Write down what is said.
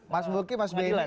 mas buki mas benny